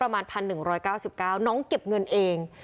ประมาณพันหนึ่งร้อยเก้าสิบเก้าน้องเก็บเงินเอง